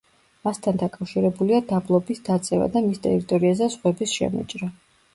მასთან დაკავშირებულია დაბლობის დაწევა და მის ტერიტორიაზე ზღვების შემოჭრა.